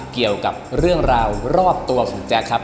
เกี่ยวกับเรื่องราวรอบตัวของแจ๊คครับ